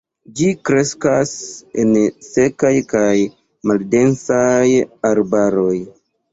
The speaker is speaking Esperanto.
Ĝi kreskas en sekaj kaj maldensaj arbaroj.